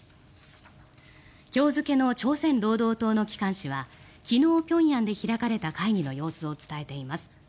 今日付の朝鮮労働党の機関紙は昨日、平壌で開かれた会議の様子を伝えています。